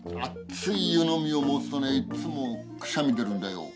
熱い湯飲みを持つとねいつもくしゃみ出るんだよ。